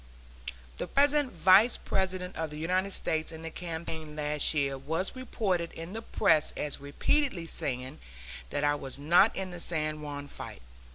The present Vice President of the United States in the campaign last year was reported in the press as repeatedly saying that I was not in the San Juan fight.